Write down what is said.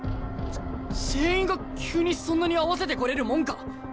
ぜ全員が急にそんなに合わせてこれるもんか？